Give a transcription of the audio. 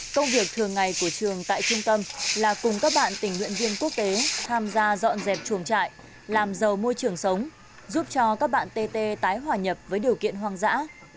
công việc thường ngày của trường tại trung tâm là cùng các bạn tình nguyện viên quốc tế tham gia dọn dẹp chuồng trại làm giàu môi trường sống giúp cho các bạn tt tái hòa nhập với điều kiện hoang dã